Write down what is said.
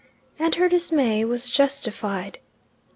And her dismay was justified.